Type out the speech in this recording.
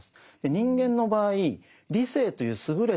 人間の場合理性という優れた能力